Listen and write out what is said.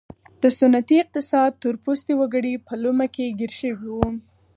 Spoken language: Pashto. د سنتي اقتصاد تور پوستي وګړي په لومه کې ګیر شوي وو.